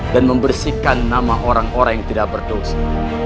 membersihkan nama orang orang yang tidak berdosa